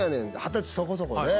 二十歳そこそこで。